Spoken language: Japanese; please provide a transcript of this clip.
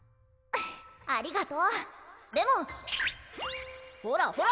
フッありがとでもほらほら